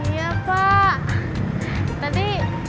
iya pak tadi